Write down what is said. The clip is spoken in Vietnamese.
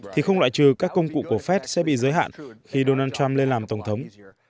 thì không loại trừ các công cụ của fed sẽ bị giới hạn khi donald trump lên làm tổng thống